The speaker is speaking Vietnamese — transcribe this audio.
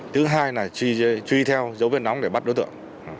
thứ hai là truy theo dấu viên nóng để bắt đối tượng